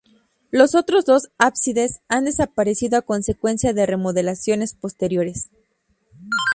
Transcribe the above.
Los otros dos ábsides han desaparecido a consecuencia de remodelaciones posteriores.